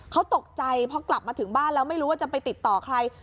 เขาตกใจพอกลับมาถึงบ้านแล้วไม่รู้ว่าจะไปติดต่อใคร